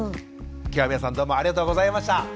今日は皆さんどうもありがとうございました。